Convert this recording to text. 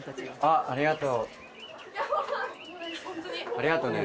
ありがとね。